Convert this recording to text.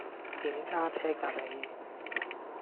點揸車㗎你